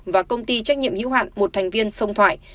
và công ty trách nhiệm hữu hạn một thành viên sông thoại